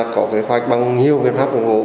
có kế hoạch bằng nhiều biện pháp